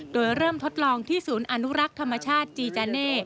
โดยเริ่มทดลองที่ศูนย์อนุรักษ์ธรรมชาติจีจาเน่